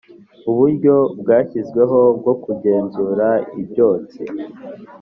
uburyo bwashyizweho bwo kugenzura ibyotsi